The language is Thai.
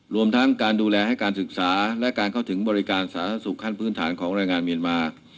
รวมทั้งการดูแลให้การศึกษาและการเข้าถึงบริการสาธารณสุขขั้นพื้นฐานของแรงงานเมียนมา